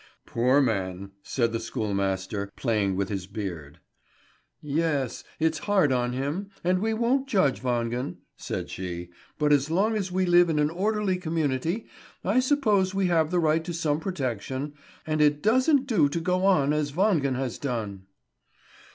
"Poor man!" said the schoolmaster, playing with his beard. "Ye es! It's hard on him, and we won't judge Wangen," said she, "but as long as we live in an orderly community, I suppose we have the right to some protection; and it doesn't do to go on as Wangen has done."